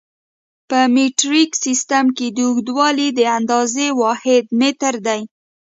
په مټریک سیسټم کې د اوږدوالي د اندازې واحد متر دی.